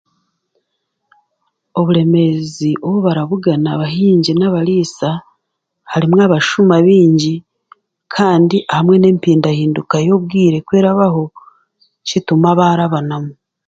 Oburemeezi obu barabugana abahingi n'abariisa harimu abashuma baingi kandi hamwe n'empindahinduka y'obwire kurabaho kituma baarabanamu